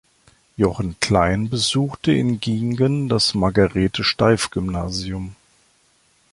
Jochen Klein besuchte in Giengen das Margarete-Steiff-Gymnasium.